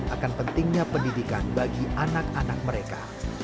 akan pentingnya pendidikan bagi anak anak mereka